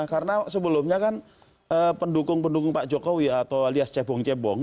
karena sebelumnya kan pendukung pendukung pak jokowi atau alias cebong cebong